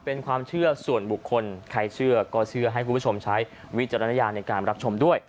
เป็นความเชื่อส่วนบุคคลใครเชื่อก็เชื่อให้คุณผู้ชมใช้วิจารณญาณในการรับชมด้วย